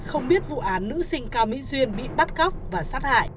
không biết vụ án nữ sinh cao mỹ duyên bị bắt cóc và sát hại